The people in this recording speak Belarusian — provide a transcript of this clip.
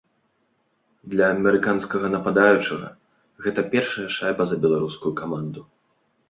Для амерыканскага нападаючага гэта першая шайба за беларускую каманду.